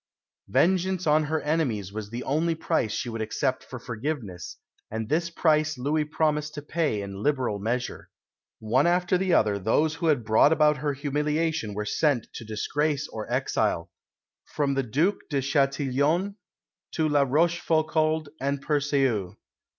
Vengeance on her enemies was the only price she would accept for forgiveness, and this price Louis promised to pay in liberal measure. One after the other, those who had brought about her humiliation were sent to disgrace or exile from the Duc de Chatillon to La Rochefoucauld and Perusseau.